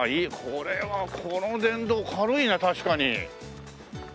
これはこの電動軽いな確かに。